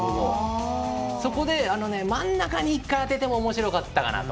そこで、真ん中に１回当ててもおもしろかったかなと。